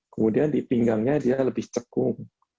kemudian di pinggangnya dia lebih cekung